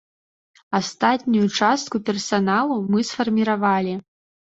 Астатнюю частку персаналу мы сфарміравалі.